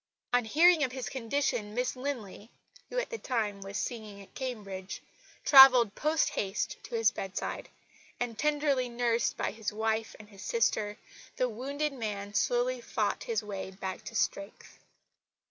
On hearing of his condition Miss Linley (who at the time was singing at Cambridge) travelled post haste to his bedside; and, tenderly nursed by his wife and his sister, the wounded man slowly fought his way back to strength.